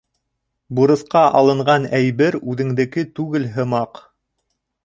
Бурысҡа алынған әйбер үҙеңдеке түгел һымаҡ.